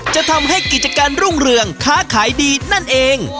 จะทำให้กิจการรุ่งเรืองค้าขายดีนั่นเอง